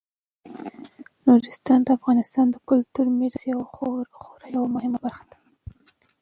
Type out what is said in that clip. نورستان د افغانستان د کلتوري میراث یوه خورا مهمه برخه ده.